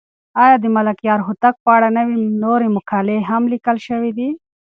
آیا د ملکیار هوتک په اړه نورې مقالې هم لیکل شوې دي؟